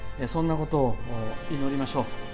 そんなことを祈りましょう。